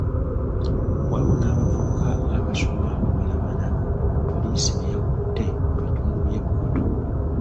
Waliwo n’abavubuka abasoma abawera bana, poliisi be yakutte mu bitundu by’e Bukoto.